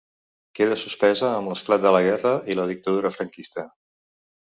Queda suspesa amb l'esclat de la guerra i la dictadura franquista.